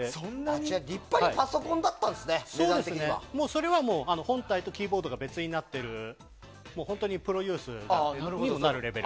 それは本体とキーボードが別になっている本当にプロユースにもなるレベル。